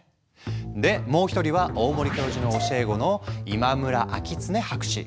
でもう一人は大森教授の教え子の今村明恒博士。